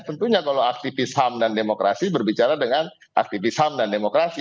tentunya kalau aktivis ham dan demokrasi berbicara dengan aktivis ham dan demokrasi